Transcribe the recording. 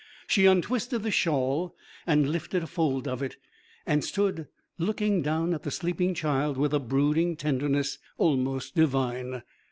She untwisted the shawl and lifted a fold of it, and stood looking down at the sleeping child with a brooding tenderness, almost divine.